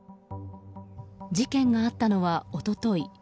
事件があったのは、一昨日。